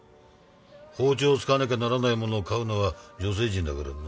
包丁を使わなきゃならないものを買うのは女性陣だからな。